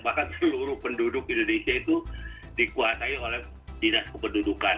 bahkan seluruh penduduk indonesia itu dikuasai oleh dinas kependudukan